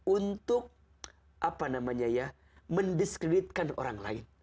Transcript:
untuk mendiskreditkan orang lain